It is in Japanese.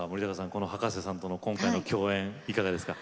この葉加瀬さんとの今回の共演いかがですか？